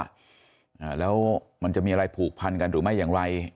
อ่าแล้วมันจะมีอะไรผูกพันกันหรือไม่อย่างไร